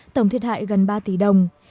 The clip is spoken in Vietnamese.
tổng thiệt hại gần ba tỷ đồng